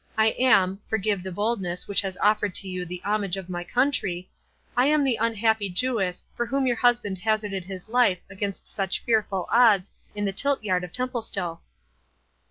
I am—forgive the boldness which has offered to you the homage of my country—I am the unhappy Jewess, for whom your husband hazarded his life against such fearful odds in the tiltyard of Templestowe."